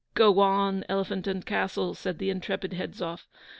'Go on, Elephant and Castle!' said the intrepid Hedzoff.